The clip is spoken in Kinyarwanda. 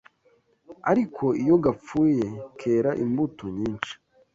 ariko iyo gapfuye, kera imbuto nyinshi